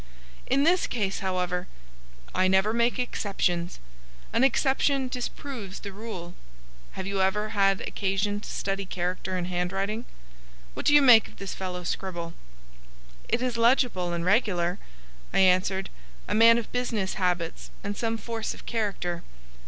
"In this case, however—" "I never make exceptions. An exception disproves the rule. Have you ever had occasion to study character in handwriting? What do you make of this fellow's scribble?" "It is legible and regular," I answered. "A man of business habits and some force of character."